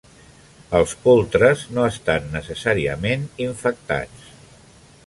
Els poltres no estan necessàriament infectats.